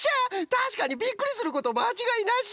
たしかにびっくりすることまちがいなし。